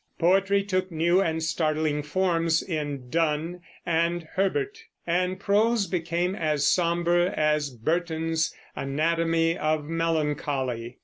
Poetry took new and startling forms in Donne and Herbert, and prose became as somber as Burton's Anatomy of Melancholy.